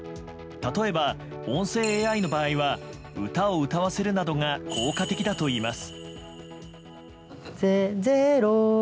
例えば音声ＡＩの場合は歌を歌わせるなどが効果的だといいます。